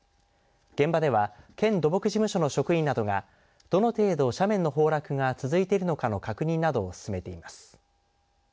現場では県土木事務所の職員などがどの程度、斜面の崩落が続いているかなどの確認を進めています。